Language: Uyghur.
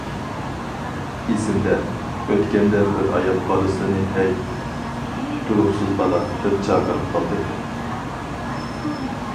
ئېسىمدە، ئۆتكەندە بىر ئايال بالىسىنى« ھەي، تۇتۇرۇقسىز بالا» دەپ چاقىرىپ قالدى.